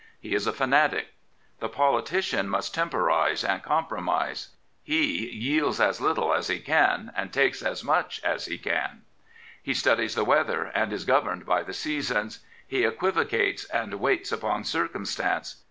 He is a fanatic. The politician must temporise and com promise. He yields as little as he can, and takes as much as he can. He studies the weather, and is governed by the seasons. He equivocates and waits upon circumstance.